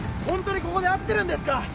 ホントにここで合ってるんですか？